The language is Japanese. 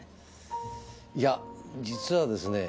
いや実はですねぇ